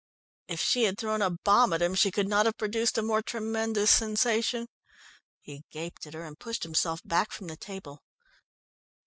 If she had thrown a bomb at him she could not have produced a more tremendous sensation. He gaped at her, and pushed himself back from the table.